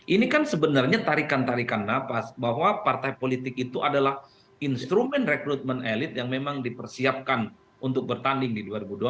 ini kan sebenarnya tarikan tarikan nafas bahwa partai politik itu adalah instrumen rekrutmen elit yang memang dipersiapkan untuk bertanding di dua ribu dua puluh empat